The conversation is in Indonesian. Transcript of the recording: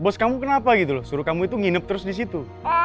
bos kamu kenapa gitu loh suruh kamu itu nginep terus di situ